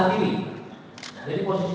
dan saksi gr saat itu